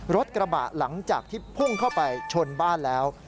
รถกระบะหลังจากที่พุ่งเข้าไปชนบ้านแล้ว